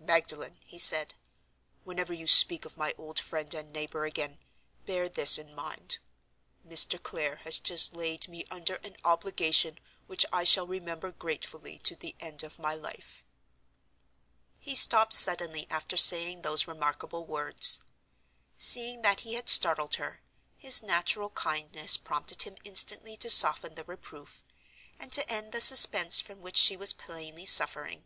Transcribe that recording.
"Magdalen!" he said; "whenever you speak of my old friend and neighbor again, bear this in mind: Mr. Clare has just laid me under an obligation which I shall remember gratefully to the end of my life." He stopped suddenly after saying those remarkable words. Seeing that he had startled her, his natural kindness prompted him instantly to soften the reproof, and to end the suspense from which she was plainly suffering.